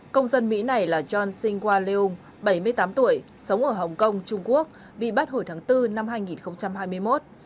công dân mỹ này là john singwa leeum bảy mươi tám tuổi sống ở hồng kông trung quốc bị bắt hồi tháng bốn năm hai nghìn hai mươi một